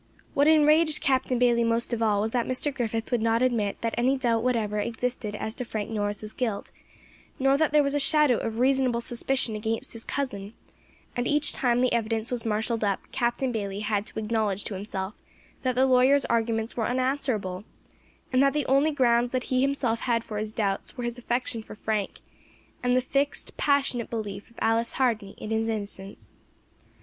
What enraged Captain Bayley most of all was that Mr. Griffith would not admit that any doubt whatever existed as to Frank Norris's guilt, nor that there was a shadow of reasonable suspicion against his cousin; and each time the evidence was marshalled up, Captain Bayley had to acknowledge to himself that the lawyer's arguments were unanswerable, and that the only grounds that he himself had for his doubts were his affection for Frank, and the fixed, passionate belief of Alice Hardy in his innocence.